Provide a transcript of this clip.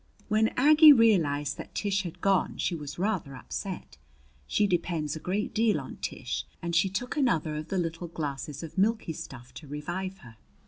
When Aggie realized that Tish had gone, she was rather upset she depends a great deal on Tish and she took another of the little glasses of milky stuff to revive her.